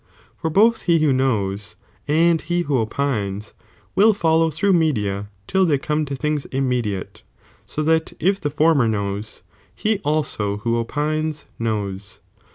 for both he who knows ¥^tu»idBsk and he who opines will follow through media till j^'H^i"'',"' theycome to things immediate, so that if the former u ioquitj knows, he also who opines knows.